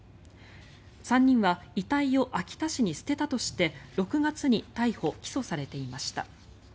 ３人は遺体を秋田市に捨てたとして６月に逮捕・起訴されていました。